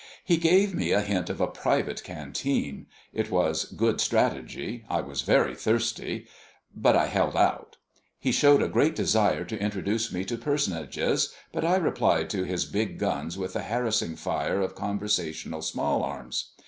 He gave me a hint of a private canteen it was good strategy, I was very thirsty but I held out. He showed a great desire to introduce me to personages, but I replied to his big guns with a harassing fire of conversational small arms.